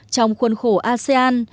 trong khuôn khổ asean